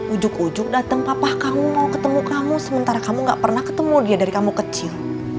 ujuk ujuk datang papa kamu mau ketemu kamu sementara kamu gak pernah ketemu dia dari kamu kecil